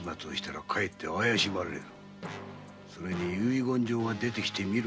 それに遺言状が出てきてみろ。